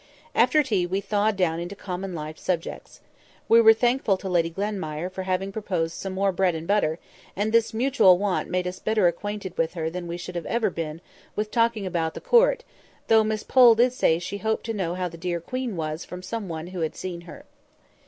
After tea we thawed down into common life subjects. We were thankful to Lady Glenmire for having proposed some more bread and butter, and this mutual want made us better acquainted with her than we should ever have been with talking about the Court, though Miss Pole did say she had hoped to know how the dear Queen was from some one who had seen her.